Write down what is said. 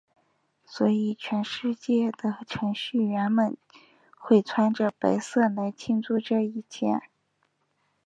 所以全世界的程序员们会穿着白色来庆祝这一天。